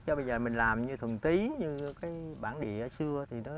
chứ bây giờ mình làm như thuần tí như cái bản địa xưa